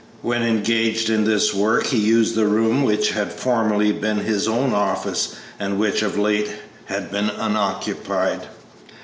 When engaged in this work he used the room which had formerly been his own office and which of late had been unoccupied.